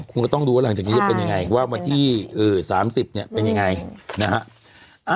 คุณก็ต้องดูว่าหลังจากนี้จะเป็นยังไงว่าวันที่๓๐เนี่ยเป็นยังไงนะฮะ